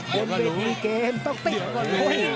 เป็นวิธีเกมต้องติ๊กก่อน